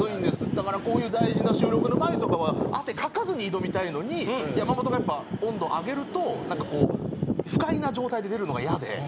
だからこういう大事な収録の前とかは汗かかずに挑みたいのに山本がやっぱ温度上げると何かこう不快な状態で出るのが嫌で。